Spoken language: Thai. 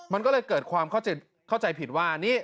มันก็เลยเกิดความเข้าใจผิดว่า